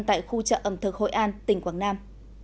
tại khu chợ ẩm thực hội an tỉnh quảng nam